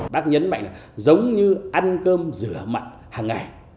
bác nhấn mạnh là giống như ăn cơm rửa mặn hàng ngày